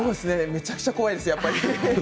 めちゃくちゃ怖いですやっぱり。